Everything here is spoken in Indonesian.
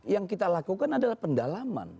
yang kita lakukan adalah pendalaman